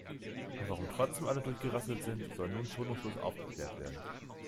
Und warum trotzdem alle durchgerasselt sind, soll nun schonungslos aufgeklärt werden.